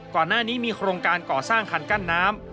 ก่อนหน้านี้มีโครงการก่อสร้างคันกั้นน้ำ